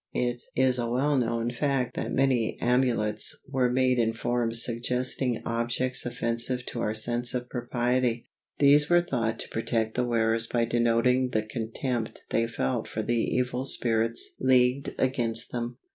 It is a well known fact that many amulets were made in forms suggesting objects offensive to our sense of propriety. These were thought to protect the wearers by denoting the contempt they felt for the evil spirits leagued against them.